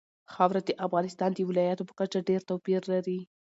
خاوره د افغانستان د ولایاتو په کچه ډېر توپیر لري.